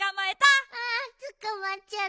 あつかまっちゃった。